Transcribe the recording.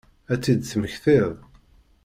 Ad t-id-temmektiḍ?